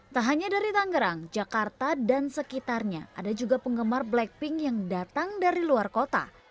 tak hanya dari tangerang jakarta dan sekitarnya ada juga penggemar blackpink yang datang dari luar kota